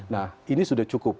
nah ini sudah cukup